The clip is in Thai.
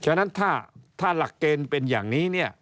ฉะนั้นถ้าหลักเกณฑ์เป็นอย่างนี้เนี่ย